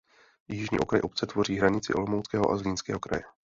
Jižní okraj obce tvoří hranici Olomouckého a Zlínského kraje.